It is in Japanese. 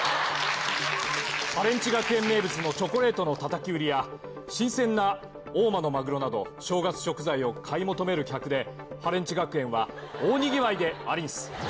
ハレンチ学園名物のチョコレートのたたき売りや新鮮な大間のマグロなど、正月食材を買い求める客で、ハレンチ学園は大にぎわいでありんす。